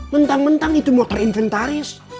mentang mentang itu motor inventaris